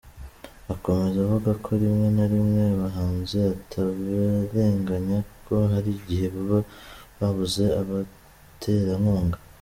Akomeza avuga ko rimwe na rimwe abahanzi atabarenganya kuko hari igihe baba babuze abaterankunga.